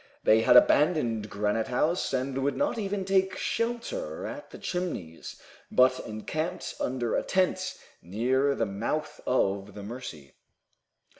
They had abandoned Granite House, and would not even take shelter at the Chimneys, but encamped under a tent, near the mouth of the Mercy.